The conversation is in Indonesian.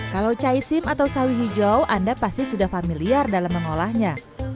kalau caisim atau sawi hijau anda pasti sudah familiar dalam mengolahnya